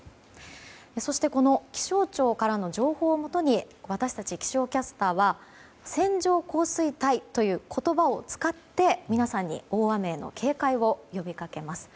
そして気象庁からの情報をもとに私たち気象キャスターは線状降水帯という言葉を使って皆さんに大雨への警戒を呼びかけます。